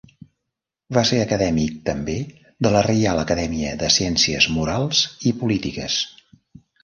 Va ser acadèmic també de la Reial Acadèmia de Ciències Morals i Polítiques.